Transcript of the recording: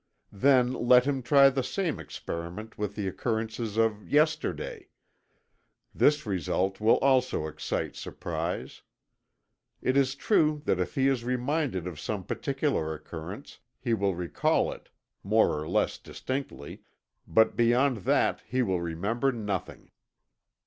Then let him try the same experiment with the occurrences of yesterday this result will also excite surprise. It is true that if he is reminded of some particular occurrence, he will recall it, more or less distinctly, but beyond that he will remember nothing.